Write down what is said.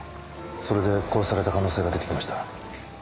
それで殺された可能性が出てきました。